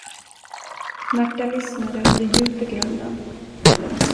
Märta lyssnade under djup begrundan.